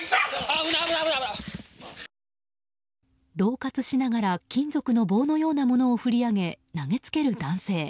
恫喝しながら金属の棒のようなものを振り上げ投げつける男性。